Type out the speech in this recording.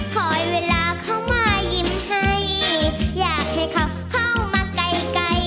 คอยเวลาเขามายิ้มให้อยากให้เขาเข้ามาไกลไกล